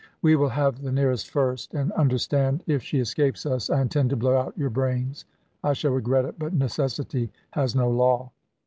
"We will have the nearest first; and understand, if she escapes us, I intend to blow out your brains. I shall regret it, but necessity has no law."